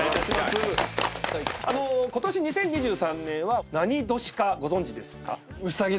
ことし２０２３年は何年かご存じですか？